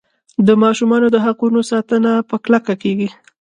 د ماشومانو د حقونو ساتنه په کلکه کیږي.